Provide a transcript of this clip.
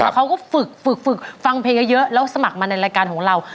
เขาก็ฝึกฝึกฟังเพลงเยอะแล้วสมัครมาในรายการของเรา